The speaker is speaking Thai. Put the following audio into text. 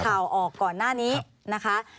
ข่าวออกก่อนหน้านี้นะคะ